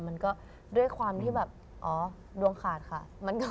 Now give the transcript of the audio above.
มันก็ด้วยความที่แบบอ๋อดวงขาดค่ะ